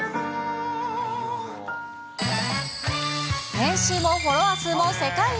年収もフォロワー数も世界一。